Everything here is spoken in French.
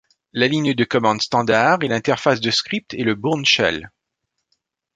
La ligne de commande standard et l'interface de script est le Bourne shell.